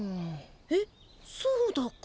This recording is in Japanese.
えっそうだか？